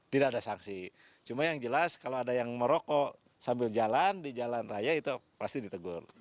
tidak ada sanksi cuma yang jelas kalau ada yang merokok sambil jalan di jalan raya itu pasti ditegur